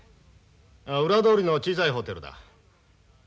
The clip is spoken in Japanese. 裏通りの小さいホテルだ。